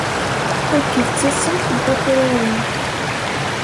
Akked tassemt n wakraren.